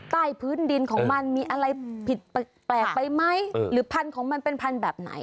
ใต้พื้นดินของมันมีอะไรผิดแปลกไปไหมหรือพันธุ์ของมันเป็นพันธุ์แบบไหน